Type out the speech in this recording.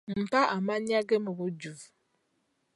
Mpa amannya ge mu bujjuvu?